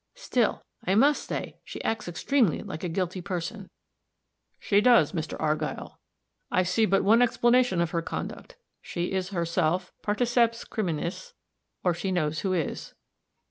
Still, I must say she acts extremely like a guilty person." "She does, Mr. Argyll; I see but one explanation of her conduct she is herself particeps criminis, or she knows who is."